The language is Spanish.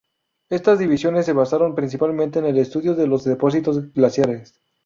Estas divisiones se basaron principalmente en el estudio de los depósitos glaciares.